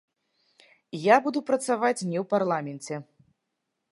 Я буду працаваць не ў парламенце.